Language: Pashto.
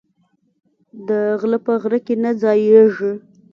دغله په غره کی نه ځاييږي